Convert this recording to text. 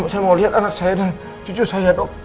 saya mau lihat anak saya dan cucu saya dok